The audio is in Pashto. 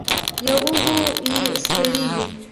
پر اوږو یې سپرېږي.